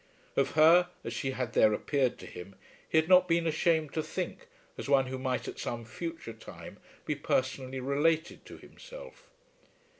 Of her as she had there appeared to him he had not been ashamed to think as one who might at some future time be personally related to himself.